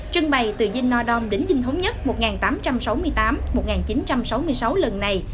trưng bày từ dinh nodom đến dinh thống nhất một nghìn tám trăm sáu mươi tám một nghìn chín trăm sáu mươi sáu lần này